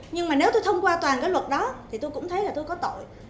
nhưng mà nếu tôi thông qua toàn cái luật đó thì tôi cũng thấy là tôi có tội